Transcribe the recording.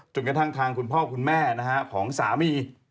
กระทั่งทางคุณพ่อคุณแม่ของสามี